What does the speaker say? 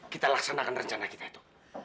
kita laksanakan rencana kita itu